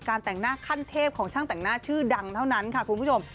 แต่งหน้าขั้นเทพของช่างแต่งหน้าชื่อดังเท่านั้นค่ะคุณผู้ชม